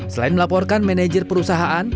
selain melaporkan manajer perusahaan